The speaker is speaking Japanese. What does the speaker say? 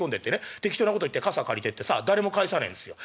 適当なこと言って傘借りてってさ誰も返さねえんですよ。